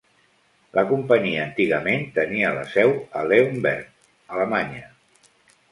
La companyia antigament tenia la seu a Leonberg, Alemanya.